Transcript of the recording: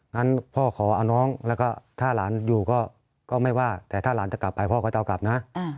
งั้นพ่อขอเอาน้องแล้วก็ถ้าหลานอยู่ก็ไม่ว่าแต่ถ้าหลานจะกลับไปพ่อก็จะเอากลับนะ